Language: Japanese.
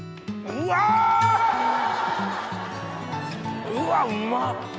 うわうまっ。